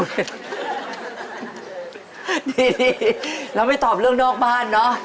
ดีแล้วไม่ตอบเรื่องนอกบ้านเนาะ